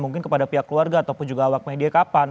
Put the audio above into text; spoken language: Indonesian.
mungkin kepada pihak keluarga ataupun juga awak media kapan